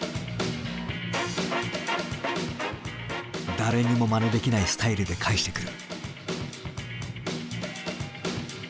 誰にもまねできないスタイルで返してくる。